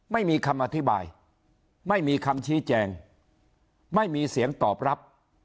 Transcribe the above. ไม่มีคำอธิบายไม่มีคำชี้แจงไม่มีเสียงตอบรับ